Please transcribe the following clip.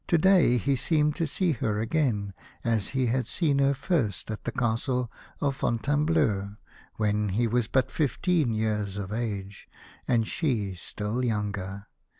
To day he seemed to see her again, as he had seen her first at the Castle of Fontaine bleau, when he was but fifteen years of age, and she still younger.